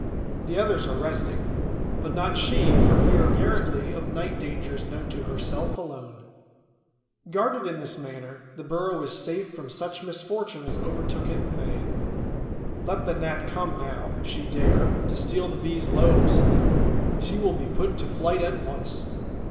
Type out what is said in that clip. The others are resting, but not she, for fear, apparently, of night dangers known to herself alone. Guarded in this manner, the burrow is safe from such a misfortune as overtook it in May. Let the Gnat come now, if she dare, to steal the Bee's loaves! She will be put to flight at once.